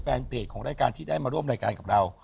แฟนเพจของรายการที่ได้มาร่วมรายการกับเรา